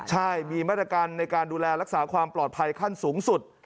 ใช่มีมาตรการในการดูแลรักษาความปลอดภัยขั้นสูงสุด